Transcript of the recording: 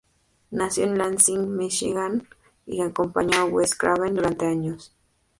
Nació en Lansing, Michigan y acompañó a Wes Craven durante años.